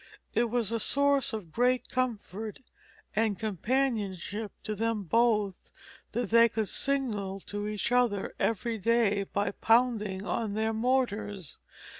It was a source of great comfort and companionship to them both that they could signal to each other every day by pounding on their mortars.